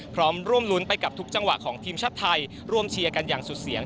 พร้อมร่วมรุ้นไปกับทุกจังหวะของทีมชาติไทยร่วมเชียร์กันอย่างสุดเสียง